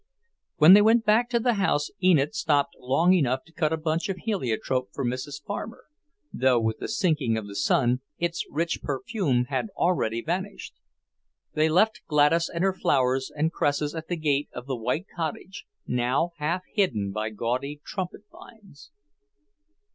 When they went back to the house Enid stopped long enough to cut a bunch of heliotrope for Mrs. Farmer, though with the sinking of the sun its rich perfume had already vanished. They left Gladys and her flowers and cresses at the gate of the white cottage, now half hidden by gaudy trumpet vines.